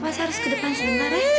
pak saya harus ke depan sebentar ya